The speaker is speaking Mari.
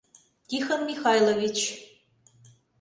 Тихон Михайлович...